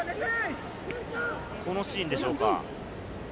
このシーンでしょうか？